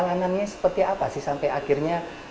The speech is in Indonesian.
singkat perjalanannya seperti apa sih sampai akhirnya